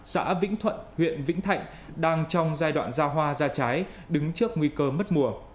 xã vĩnh thuận huyện vĩnh thạnh đang trong giai đoạn giao hoa ra trái đứng trước nguy cơ mất mùa